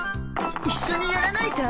一緒にやらないか？